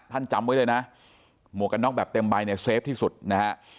จำไว้เลยนะหมวกกันน็อกแบบเต็มใบเนี่ยเซฟที่สุดนะฮะ